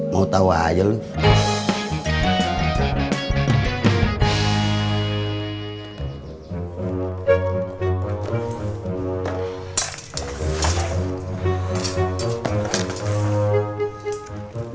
mau tau aja lho